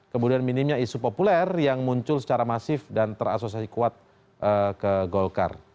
kemudian minimnya isu populer yang muncul secara masif dan terasosiasi kuat ke golkar